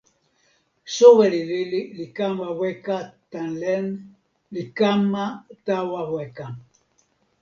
soweli lili li kama weka tan len, li kama tawa weka.